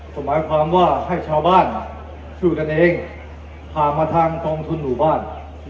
ก็หมายความว่าให้ชาวบ้านสู้กันเองผ่านมาทางกองทุนหมู่บ้าน